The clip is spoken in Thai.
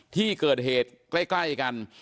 ที่เกิดเหตุใกล้กัน